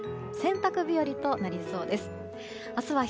洗濯日和となりそうです。